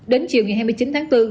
đến chiều ngày hai mươi chín tháng bốn